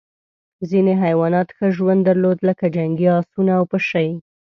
ځینې حیوانات ښه ژوند درلود لکه جنګي اسونه او پشۍ.